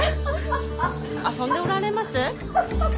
遊んでおられます？